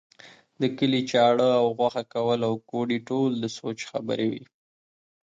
د کلي چاړه او غوښه کول او کوډې ټول د سوچ خبرې وې.